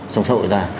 trong xã hội ta